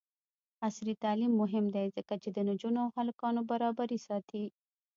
عصري تعلیم مهم دی ځکه چې د نجونو او هلکانو برابري ساتي.